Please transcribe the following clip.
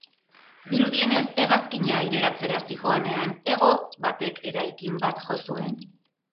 Dirudienez, hegazkina aireratzera zihoanean hego batek eraikin bat jo zuen.